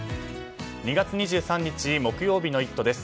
２月２３日木曜日の「イット！」です。